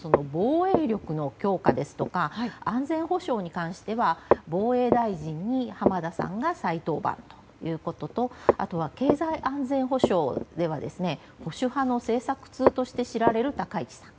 防衛力の強化ですとか安全保障に関しては防衛大臣に浜田さんが再登板ということとあとは経済安全保障では保守派の政策通として知られる高市さん。